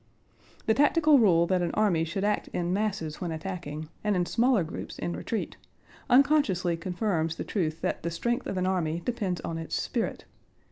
The tactical rule that an army should act in masses when attacking, and in smaller groups in retreat, unconsciously confirms the truth that the strength of an army depends on its spirit.